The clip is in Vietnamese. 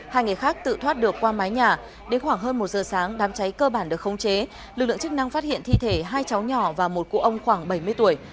hai người khác tự thoát được qua mái nhà đến khoảng hơn một giờ sáng đám cháy cơ bản được khống chế lực lượng chức năng phát hiện thi thể hai cháu nhỏ và một cụ ông khoảng bảy mươi tuổi